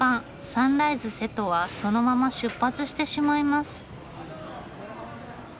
サンライズ瀬戸はそのまま出発してしまいます。